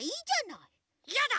いやだ！